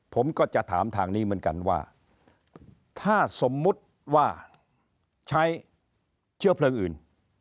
ผมก็จะถามทางนี้เหมือนกันว่าถ้าสมมุติว่าใช้เชื้อเพลิงอื่น